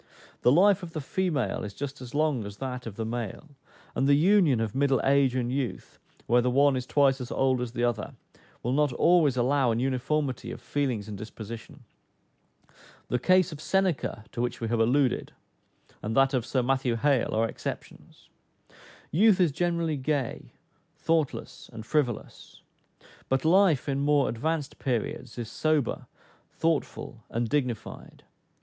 The life of the female is just as long as that of the male; and the union of middle age and youth, where the one is twice as old as the other, will not always allow an uniformity of feelings and disposition. The case of Seneca (to which we have alluded,) and that of Sir Matthew Hale, are exceptions. Youth is generally gay, thoughtless, and frivolous; but life, in more advanced periods, is sober, thoughtful, and dignified.